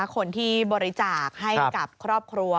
คนที่บริจาคให้กับครอบครัว